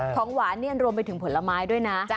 ของหวานเนี่ยรวมไปถึงผลไม้ด้วยนะ